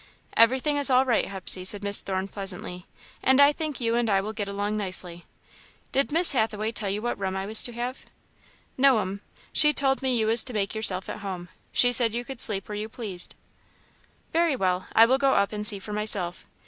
"Everything is all right, Hepsey," said Miss Thorne, pleasantly, "and I think you and I will get along nicely. Did Miss Hathaway tell you what room I was to have?" "No'm. She told me you was to make yourself at home. She said you could sleep where you pleased." "Very well, I will go up and see for myself.